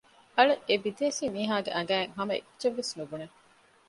އަޅެ އެބިދޭސީ މިހާގެ އަނގައިން ހަމައެއްޗެއްވެސް ނުބުނެ